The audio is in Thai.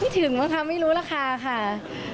ไม่ถึงหรอกค่ะไม่รู้ราคาค่ะ